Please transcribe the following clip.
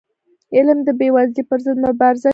علم د بېوزلی پر ضد مبارزه کوي.